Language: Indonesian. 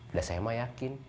udah saya mah yakin